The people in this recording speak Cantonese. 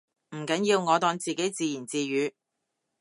唔緊要，我當自己自言自語